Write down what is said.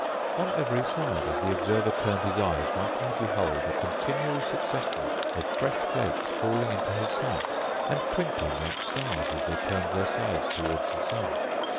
On every side as the observer turned his eyes might he behold a continual succession of fresh flakes falling into his sight, and twinkling like stars as they turned their sides towards the sun.